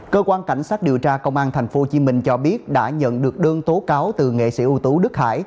cơ quan cảnh sát điều tra công an tp hcm cho biết đã nhận được đơn tố cáo từ nghệ sĩ ưu tú đức hải